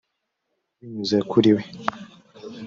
binyuze kuri we